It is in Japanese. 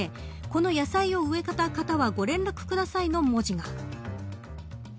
この野菜を植えた方はご連絡くださいの文字が。